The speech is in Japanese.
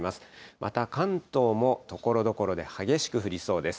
また、関東もところどころで激しく降りそうです。